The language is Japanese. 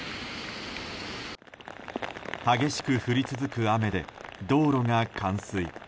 激しく降り続く雨で道路が冠水。